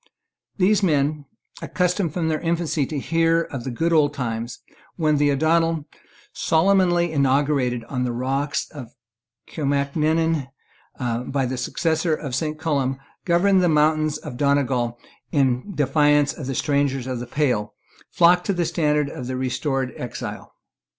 These men, accustomed from their infancy to hear of the good old times, when the O'Donnel, solemnly inaugurated on the rock of Kilmacrenan by the successor of Saint Columb, governed the mountains of Donegal in defiance of the strangers of the pale, flocked to the standard of the restored exile.